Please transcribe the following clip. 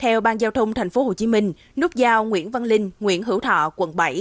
theo ban giao thông thành phố hồ chí minh nút dao nguyễn văn linh nguyễn hữu thọ quận bảy